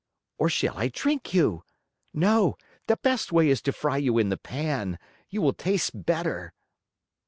Or shall I drink you? No, the best way is to fry you in the pan. You will taste better."